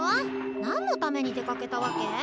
何のために出かけたわけ？